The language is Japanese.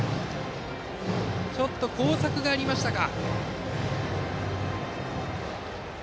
ちょっと交錯がありましたか。